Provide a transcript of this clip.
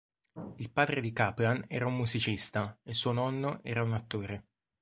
Il padre di Kaplan era un musicista e suo nonno era un attore.